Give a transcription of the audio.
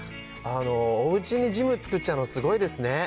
おうちにジム作っちゃうの、すごいですね。